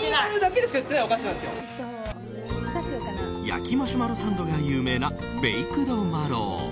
焼マシュマロサンドが有名なベイクドマロウ。